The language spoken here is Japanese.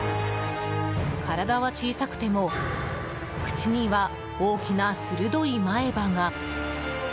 体は小さくても口には大きな鋭い前歯が。